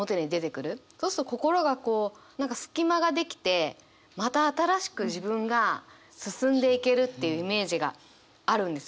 そうすると心がこう何か隙間ができてまた新しく自分が進んでいけるっていうイメージがあるんですよ。